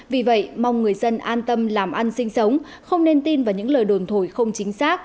vì vậy mong người dân an tâm làm ăn sinh sống không nên tin vào những lời đồn thổi không chính xác